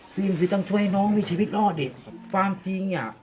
สิ่งสิทธิ์ต้องช่วยน้องมีชีวิตรอดเด็กความจริงเนี่ย